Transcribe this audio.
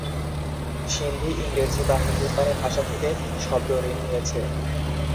সিন্ধি ইংরেজি এবং হিন্দুস্তানি ভাষা থেকে শব্দ ঋণ নিয়েছে।